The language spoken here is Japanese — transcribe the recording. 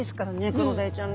クロダイちゃん